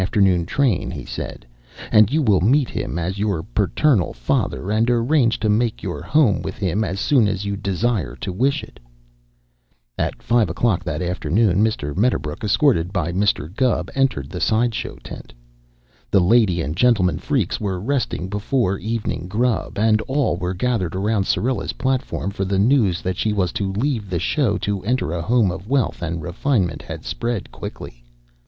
afternoon train," he said, "and you will meet him as your paternal father and arrange to make your home with him as soon as you desire to wish it." At five o'clock that afternoon, Mr. Medderbrook, escorted by Mr. Gubb, entered the side show tent. The lady and gentlemen freaks were resting before evening grub, and all were gathered around Syrilla's platform, for the news that she was to leave the show to enter a home of wealth and refinement had spread quickly.